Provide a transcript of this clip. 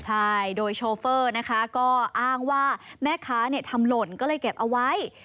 ใช่โดยโชเฟอร์นะคะก็อ้างว่าแม่ค้าทำหล่นก็เลยเก็บเอาไว้